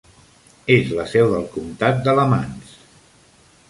És la seu del comtat d'Alamance.